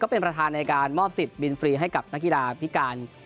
เป็นประธานในการมอบสิทธิ์บินฟรีให้กับนักกีฬาพิการ